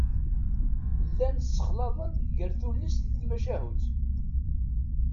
Llan ssexlaḍen gar tullist d tmacahut.